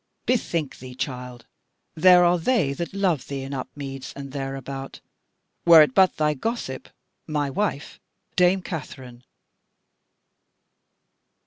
Bethink thee, child, there are they that love thee in Upmeads and thereabout, were it but thy gossip, my wife, dame Katherine."